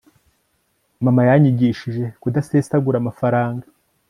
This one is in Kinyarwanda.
mama yanyigishije kudasesagura amafaranga